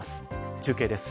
中継です。